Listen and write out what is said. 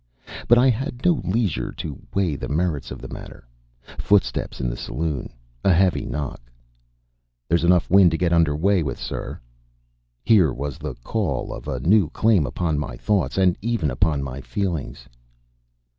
But I had no leisure to weigh the merits of the matter footsteps in the saloon, a heavy knock. "There's enough wind to get under way with, sir." Here was the call of a new claim upon my thoughts and even upon my feelings.